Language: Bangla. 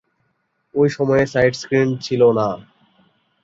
ঐ সময়ে সাইট স্ক্রিন ছিল না।